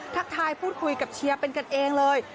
ทักทายพูดคุยกับเชียร์เป็นกันเองเลย